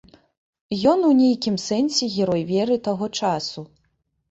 Ён у нейкім сэнсе герой веры таго часу.